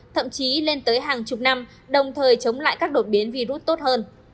thậm chí lên tới hàng chục năm đồng thời chống lại các đột biến virus tốt hơn